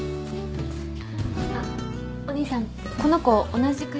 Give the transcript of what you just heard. あっお兄さんこの子同じ会社の。